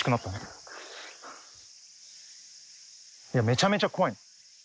めちゃめちゃ怖い。